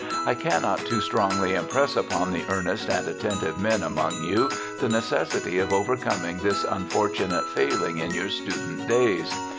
I cannot too strongly impress upon the earnest and attentive men among you the necessity of overcoming this unfortunate failing in your student days.